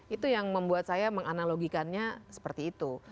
itu yang membuat saya menganalogikannya seperti itu